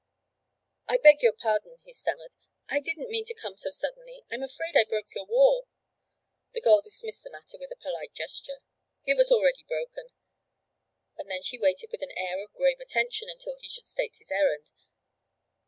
'I beg your pardon,' he stammered, 'I didn't mean to come so suddenly; I'm afraid I broke your wall.' The girl dismissed the matter with a polite gesture. 'It was already broken,' and then she waited with an air of grave attention until he should state his errand.